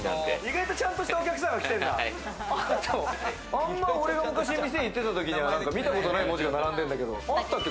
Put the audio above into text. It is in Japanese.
あんまり俺が店行ったときには見たことない文字があるんだけれども、あったっけ？